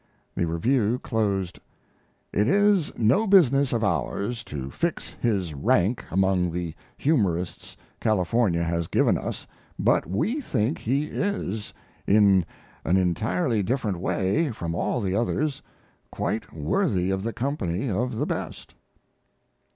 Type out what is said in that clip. The review closed: It is no business of ours to fix his rank among the humorists California has given us, but we think he is, in an entirely different way from all the others, quite worthy of the company of the best.